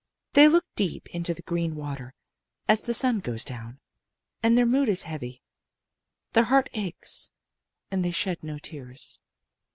"They look deep into the green water as the sun goes down, and their mood is heavy. Their heart aches, and they shed no tears.